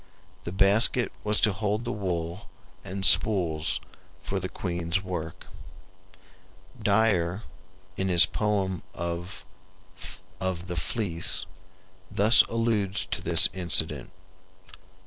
The basket was to hold the wool and spools for the queen's work. Dyer, in his poem of the "Fleece," thus alludes to this incident